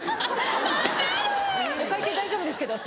「お会計大丈夫ですけど」。